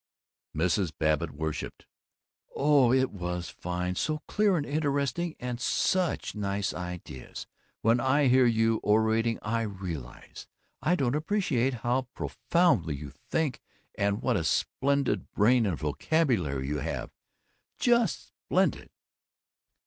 Mrs. Babbitt worshiped, "Oh, it was fine! So clear and interesting, and such nice ideas. When I hear you orating I realize I don't appreciate how profoundly you think and what a splendid brain and vocabulary you have. Just splendid."